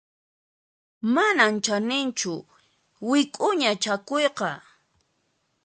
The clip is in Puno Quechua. Manan chaninchu wik'uña chakuyqa.